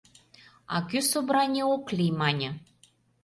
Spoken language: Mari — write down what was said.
А кӧ собраний ок лий, мане?